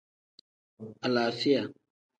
Alaafiya.